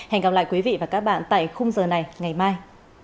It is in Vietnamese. hẹn gặp lại quý vị và các bạn tại khung giờ này ngày mai